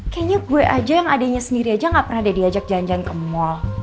kayaknya gue aja yang adenya sendiri aja gak pernah diajak janjan ke mall